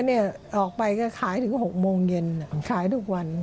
เนี่ยออกไปก็ขายถึง๖โมงเย็นขายทุกวัน